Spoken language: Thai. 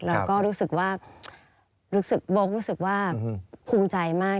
เราก็รู้สึกว่าโว๊ครู้สึกว่าภูมิใจมาก